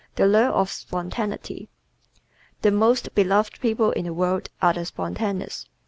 The Lure of Spontaneity ¶ The most beloved people in the world are the spontaneous.